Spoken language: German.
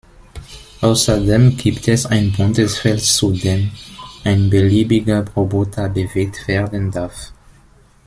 Außerdem gibt es ein buntes Feld zu dem ein beliebiger Roboter bewegt werden darf.